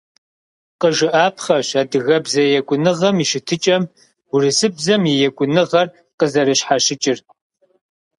Къыжыӏапхъэщ адыгэбзэ екӏуныгъэм и щытыкӏэм урысыбзэм и екӏуныгъэр къызэрыщхьэщыкӏыр.